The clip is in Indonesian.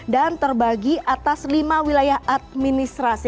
dan terbagi atas lima wilayah administrasi